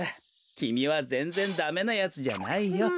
きみはぜんぜんダメなやつじゃないよ。